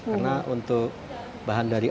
karena untuk bahan dari